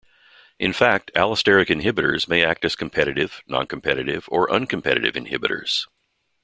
In fact, allosteric inhibitors may act as competitive, non-competitive, or uncompetitive inhibitors.